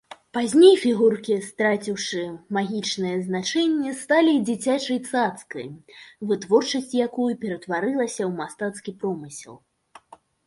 Пазней фігуркі, страціўшы магічнае значэнне, сталі дзіцячай цацкай, вытворчасць якой ператварылася ў мастацкі промысел.